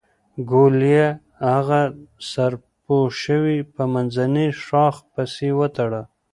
ګوليه اغه سر پوشوې په منځني شاخ پسې وتړه.